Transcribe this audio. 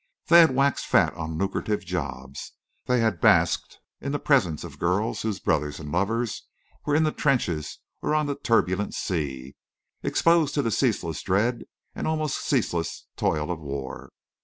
They had waxed fat on lucrative jobs; they had basked in the presence of girls whose brothers and lovers were in the trenches or on the turbulent sea, exposed to the ceaseless dread and almost ceaseless toil of war.